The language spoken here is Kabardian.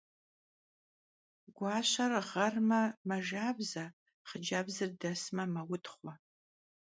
Guaşer ğerme, mejjabze, xhıcebzır desme, meutxhue.